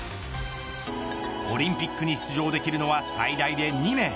オリンピックに出場できるのは最大で２名。